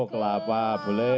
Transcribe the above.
oh kelapa boleh